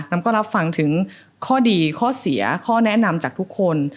แล้วก็รับฟังถึงข้อดีข้อเสียข้อแนะนำจากทุกคน